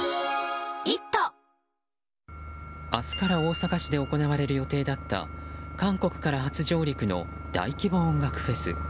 明日から大阪市で行われる予定だった韓国から初上陸の大規模音楽フェス。